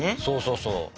そうそうそう。